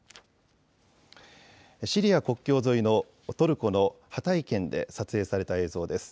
シリア国境沿いのトルコのハタイ県で撮影された映像です。